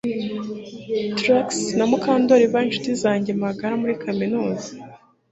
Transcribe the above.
Trix na Mukandoli bari inshuti zanjye magara muri kaminuza